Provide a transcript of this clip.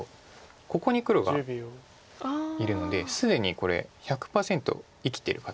ここに黒がいるので既にこれ１００％生きてる形なんです。